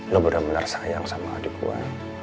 lo bener bener sayang sama adik gua